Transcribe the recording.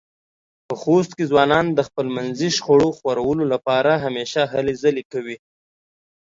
په خوست کې ځوانان د خپلمنځې شخړو خوارولو لپاره همېشه هلې ځلې کوي.